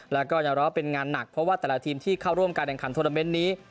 แล้วก็ยอมรับว่าเป็นงานหนักเพราะว่าแต่ละทีมที่เข้าร่วมการแข่งขันโทรเมนต์นี้